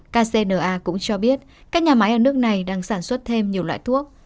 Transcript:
kcna cũng cho biết các nhà máy ở nước này đang sản xuất thêm nhiều loại thuốc